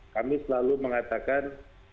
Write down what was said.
kami selalu mengatakan